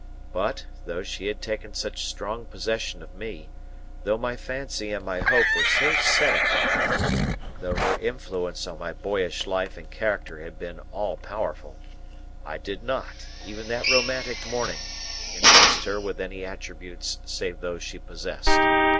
But, though she had taken such strong possession of me, though my fancy and my hope were so set upon her, though her influence on my boyish life and character had been all powerful, I did not, even that romantic morning, invest her with any attributes save those she possessed.